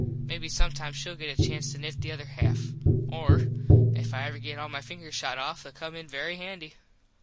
Maybe sometime shell get a chance to nit the other half. Or if I ever get all my fingers shot off theyll come in very handy.